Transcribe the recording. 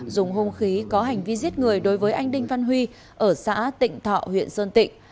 dùng hung khí có hành vi giết người đối với anh đinh văn huy ở xã tịnh thọ huyện sơn tịnh